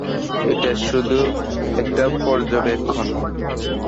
এটা শুধু একটা পর্যবেক্ষন!